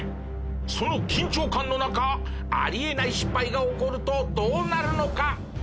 その緊張感の中あり得ない失敗が起こるとどうなるのか？